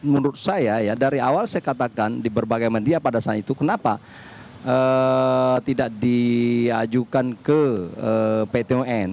menurut saya ya dari awal saya katakan di berbagai media pada saat itu kenapa tidak diajukan ke pt un